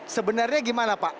sebenarnya gimana pak